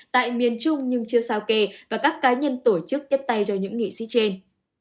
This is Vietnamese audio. tại miền trung nhưng chưa sao kề và các cá nhân tổ chức tiếp tay cho những nghị sĩ trên